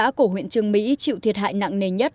những xã của huyện trưng mỹ chịu thiệt hại nặng nề nhất